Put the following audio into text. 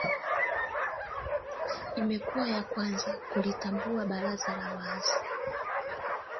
imekuwa ya kwanza kulitambuwa baraza la waasi